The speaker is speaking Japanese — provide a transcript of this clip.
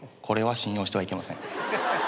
これは信用してはいけません。